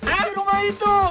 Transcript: di rumah itu